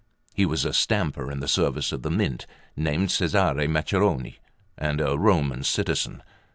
He was a stamper in the service of the Mint, named Cesare Macherone, and a Roman citizen.